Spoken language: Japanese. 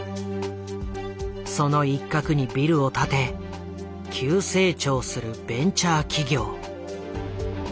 その一角にビルを建て急成長するベンチャー企業。